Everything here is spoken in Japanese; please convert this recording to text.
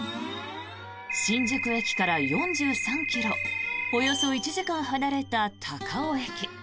新宿駅から４３ｋｍおよそ１時間離れた高尾駅。